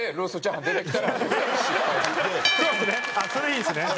あっそれいいですね。